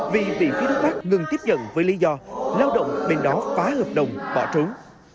vì bị phía đối tác ngừng tiếp nhận với lý do lao động bên đó phá hợp đồng bỏ trốn